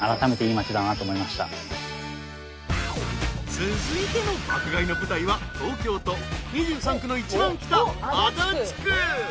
［続いての爆買いの舞台は東京都２３区の一番北］